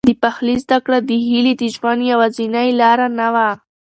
د پخلي زده کړه د هیلې د ژوند یوازینۍ لاره نه وه.